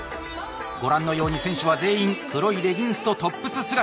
ご覧のように選手は全員黒いレギンスとトップス姿！